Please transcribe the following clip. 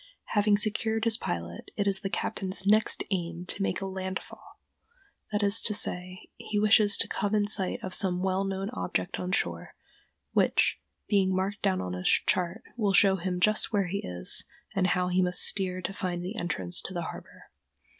Having secured his pilot, it is the captain's next aim to make a "land fall"—that is to say, he wishes to come in sight of some well known object on shore, which, being marked down on his chart, will show him just where he is and how he must steer to find the entrance to the harbor.